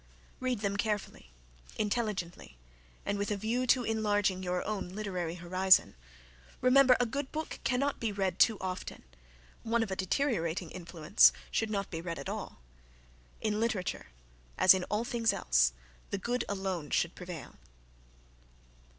Read them carefully, intelligently and with a view to enlarging your own literary horizon. Remember a good book cannot be read too often, one of a deteriorating influence should not be read at all. In literature, as in all things else, the good alone should prevail.